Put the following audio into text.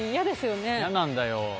なんだよ。